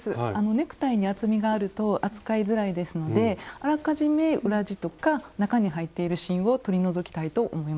ネクタイに厚みがあると扱いづらいですのであらかじめ裏地とか中に入っている芯を取り除きたいと思います。